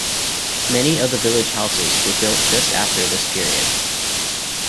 Many of the village houses were built just after this period.